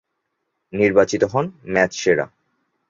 নির্বাচিত হন ম্যাচ সেরা।